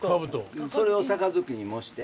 それを盃に模して。